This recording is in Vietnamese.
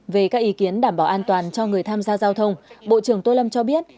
về các ý kiến đảm bảo an toàn cho người tham gia giao thông bộ trưởng tô lâm cho biết